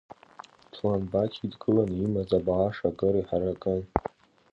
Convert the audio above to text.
Ҭланбақь идкыланы имаз абааш акыр иҳаракын.